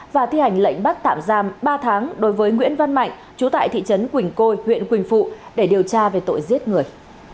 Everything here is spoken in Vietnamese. và thi hành lệnh bắt tạm giam ba tháng đối với nguyễn văn mạnh chú tại thị trấn quỳnh côi huyện quỳnh phụ để điều tra về tội giết người